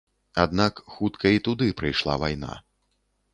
Аднак хутка і туды прыйшла вайна.